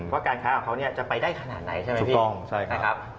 ว่าการค้าของเขาจะไปได้ขนาดไหนใช่ไหมพี่